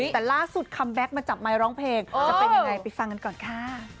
แต่ล่าสุดคัมแก๊กมาจับไมค์ร้องเพลงจะเป็นยังไงไปฟังกันก่อนค่ะ